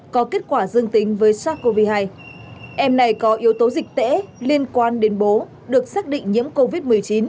có kết quả dương tính với sars cov hai em này có yếu tố dịch tễ liên quan đến bố được xác định nhiễm covid một mươi chín